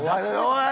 おい！